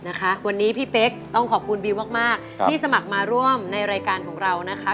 นะคะวันนี้พี่เป๊กต้องขอบคุณบิวมากมากที่สมัครมาร่วมในรายการของเรานะคะ